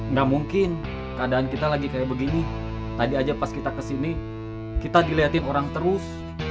nggak mungkin keadaan kita lagi kayak begini tadi aja pas kita kesini kita dilihatin orang terus